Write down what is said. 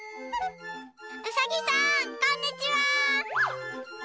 ウサギさんこんにちは！